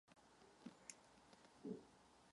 Dochází také k rozvoji soukromých zdravotních zařízení.